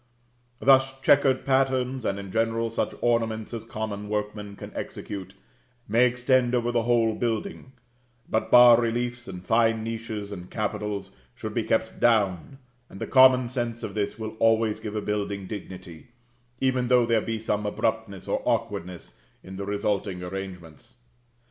Thus chequered patterns, and in general such ornaments as common workmen can execute, may extend over the whole building; but bas reliefs, and fine niches and capitals, should be kept down, and the common sense of this will always give a building dignity, even though there be some abruptness or awkwardness, in the resulting arrangements.